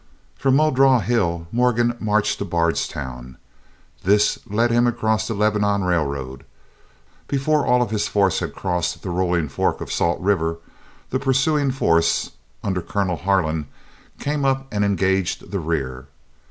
From Muldraugh Hill Morgan marched for Bardstown. This led him across the Lebanon Railroad. Before all of his force had crossed the Rolling Fork of Salt River, the pursuing force, under Colonel Harlan, came up and engaged the rear.